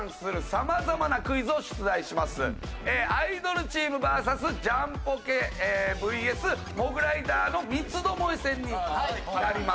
アイドルチームＶＳジャンポケＶＳモグライダーの三つどもえ戦になります。